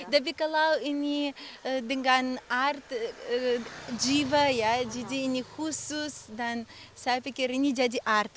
tapi kalau ini dengan art jiwa ya jadi ini khusus dan saya pikir ini jadi art